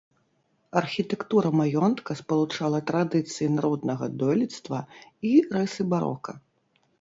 Архітэктура маёнтка спалучала традыцыі народнага дойлідства і рысы барока.